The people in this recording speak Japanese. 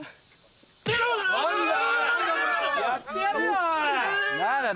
やってやれよ！